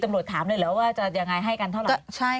ตำรวจถามเลยเหรอว่าจะยังไงให้กันเท่าไหร่